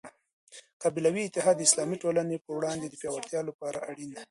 قبیلوي اتحاد د اسلامي ټولني په وړاندي د پياوړتیا لپاره اړین دی.